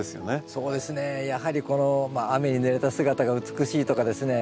そうですねやはりこの雨にぬれた姿が美しいとかですね